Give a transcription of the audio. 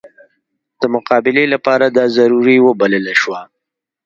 د مقابلې لپاره دا ضروري وبلله شوه.